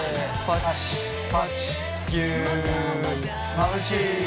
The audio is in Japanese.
まぶしい。